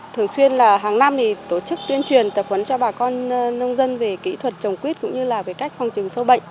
thường xuyên hàng năm tổ chức tuyên truyền tập huấn cho bà con nông dân về kỹ thuật trồng quýt cũng như cách phòng trừng sâu bệnh